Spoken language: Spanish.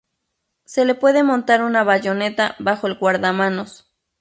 Se le puede montar una bayoneta bajo el guardamanos.